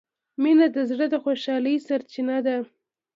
مینه د زړه د خوشحالۍ سرچینه ده.